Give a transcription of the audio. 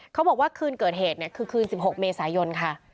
เขาบอกว่าคืนเกิดเหตุคือคืน๑๖เมษายนค่ะ